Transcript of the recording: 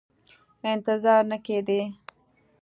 انتظار نه کېدی.